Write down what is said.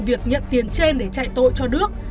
việc nhận tiền trên để chạy tội cho đức